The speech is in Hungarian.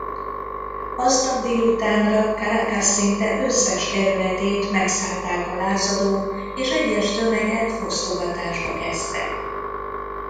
Aznap délutánra Caracas szinte összes kerületét megszállták a lázadók és egyes tömegek fosztogatásba kezdtek.